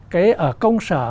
cái ở công sở